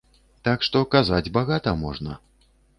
Так што казаць багата можна.